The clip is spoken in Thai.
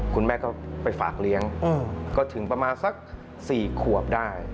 คุณแม่ก็ไปฝากเลี้ยงก็ถึงประมาณสัก๔ขวบได้